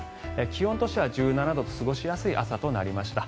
気温としては１７度と過ごしやすい朝となりました。